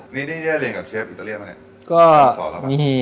นี่ได้เรียนกับเชฟอินเตอร์เลียสไหม